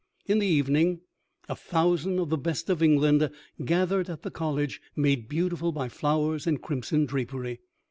In the evening, a thousand of the best of England gathered at the college, made beautiful by flowers and crimson drapery.